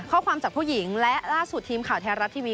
ข้อความจากผู้หญิงและล่าสุดทีมข่าวไทยรัฐทีวี